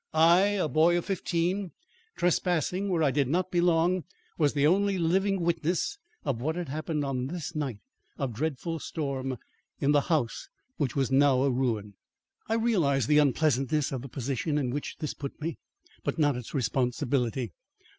I, a boy of fifteen, trespassing where I did not belong, was the only living witness of what had happened on this night of dreadful storm, in the house which was now a ruin. I realised the unpleasantness of the position in which this put me, but not its responsibility.